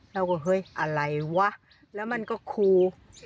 เราก็เฮ้ยอะไรวะแล้วมันก็ครู